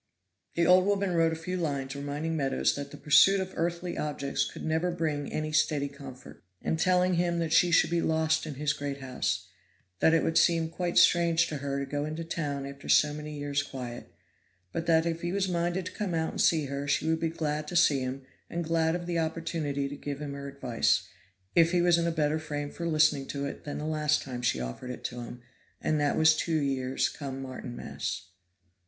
The old woman wrote a few lines reminding Meadows that the pursuit of earthly objects could never bring any steady comfort, and telling him that she should be lost in his great house that it would seem quite strange to her to go into the town after so many years' quiet but that if he was minded to come out and see her she would be glad to see him and glad of the opportunity to give him her advice, if he was in a better frame for listening to it than last time she offered it to him, and that was two years come Martinmas.